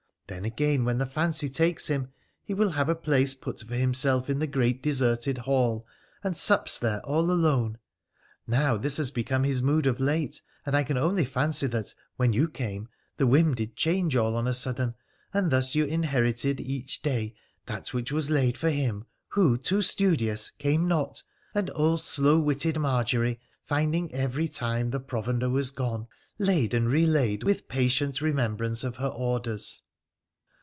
Then, again, when the fancy takes him, he will have a place put for himself in the great deserted hall, and sups there all alone. Now, this has been his mood of late, and I can only fancy that when you came the whim did change all on a sudden, and thus you inherited each day that which was laid for him, who, too studious, came not, and old slow witted Margery, finding every time the provender was gone, laid and relaid with patient remembrance of her orders.'